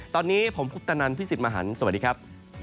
ตอนนี้ผมคุปตนันพี่สิทธิ์มหันฯสวัสดีครับ